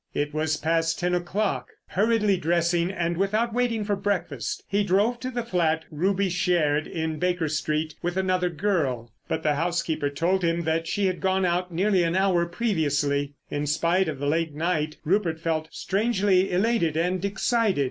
It was past ten o'clock. Hurriedly dressing and without waiting for breakfast, he drove to the flat Ruby shared in Baker Street with another girl. But the housekeeper told him that she had gone out nearly an hour previously. In spite of the late night, Rupert felt strangely elated and excited.